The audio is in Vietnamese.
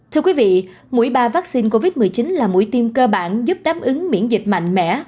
thưa quý vị mũi ba vaccine covid một mươi chín là mũi tiêm cơ bản giúp đáp ứng miễn dịch mạnh mẽ